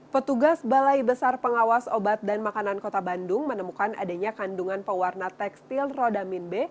petugas balai besar pengawas obat dan makanan kota bandung menemukan adanya kandungan pewarna tekstil rodamin b